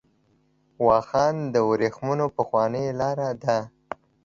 واخان د ورېښمو پخوانۍ لار ده .